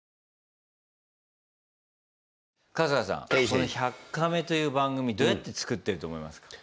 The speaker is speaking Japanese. この「１００カメ」という番組どうやって作ってると思いますか？